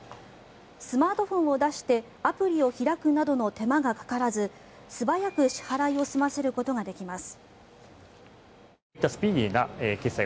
スマートフォンを出してアプリを開くなどの手間がかからず素早く支払いを済ませることができます。